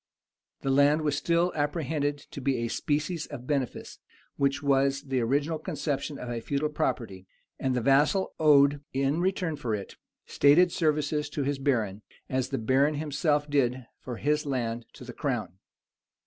[] The land was still apprehended to be a species of benefice, which was the original conception of a feudal property; and the vassal owed, in return for it, stated services to his baron, as the baron himself did for his land to the crown.